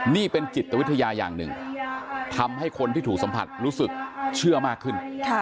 นี่เป็นจิตวิทยาอย่างหนึ่งทำให้คนที่ถูกสัมผัสรู้สึกเชื่อมากขึ้น